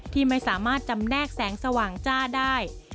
ที่ไม่สามารถจำแนกแสงสว่างจ้าได้